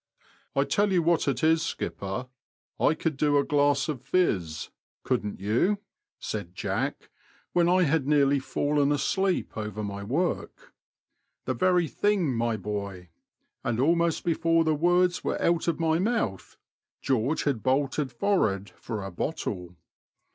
89 *' I tell you what it is, skipper ; I could do a g;iass of • fiz '—couldn't you ?*' said Jack, when I had nearly fallen asleep over my work. The very thing, my boy ;'* and almost before the words were out of my mouth, George had bolted forward for a bottle.